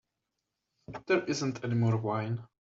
There isn't any more wine.